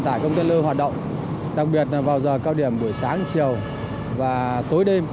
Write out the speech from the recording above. tại công ty lưu hoạt động đặc biệt là vào giờ cao điểm buổi sáng chiều và tối đêm